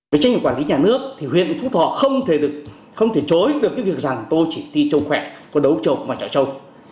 với trách nhiệm quản lý nhà nước thì huyện phúc thọ không thể chối được cái việc rằng tôi chỉ thi châu khỏe có đấu châu và chọi châu